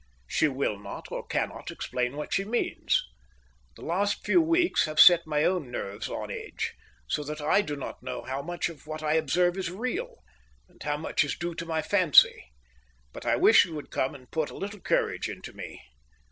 She will not or cannot explain what she means. The last few weeks have set my own nerves on edge, so that I do not know how much of what I observe is real, and how much is due to my fancy; but I wish you would come and put a little courage into me.